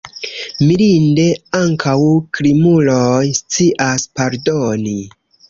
Mirinde, ankaŭ krimuloj scias pardoni!